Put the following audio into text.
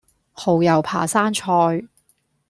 蠔油扒生菜